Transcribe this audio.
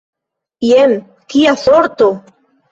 Jen kia sorto!